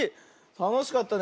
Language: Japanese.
たのしかったね。